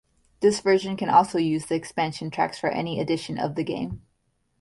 This version can also use the expansion tracks for any edition of the game.